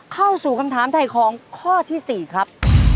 เข้าสู่คำถามถ่ายของข้อที่๔ครับ